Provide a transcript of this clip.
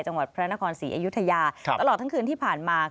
จังหวัดพระนครศรีอยุธยาตลอดทั้งคืนที่ผ่านมา